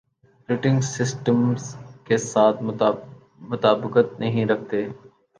پریٹنگ systems کے ساتھ مطابقت نہیں رکھتے